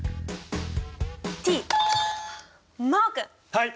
はい！